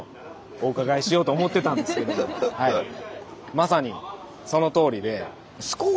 まさにそのとおりで。